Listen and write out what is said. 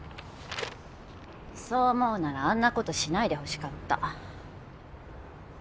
そう思うならあんなことしないでほしかった。